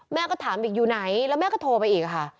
แม่ก็ถามอีกอยู่ไหนแล้วแม่ก็โทรไปอีกค่ะ